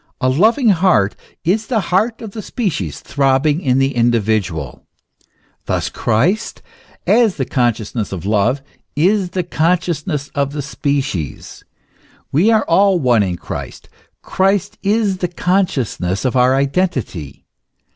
A loving heart is the heart of the species throbbing in the individual. Thus Christ, as the consciousness of love, is the consciousness of the species. We are all one in Christ. Christ is the consciousness of our identity.